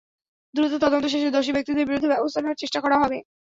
দ্রুত তদন্ত শেষে দোষী ব্যক্তিদের বিরুদ্ধে ব্যবস্থা নেওয়ার চেষ্টা করা হবে।